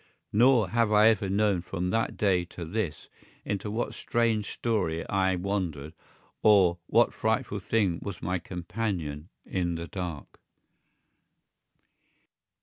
Nor have I ever known from that day to this into what strange story I wandered or what frightful thing was my companion in the dark.